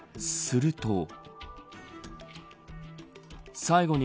すると。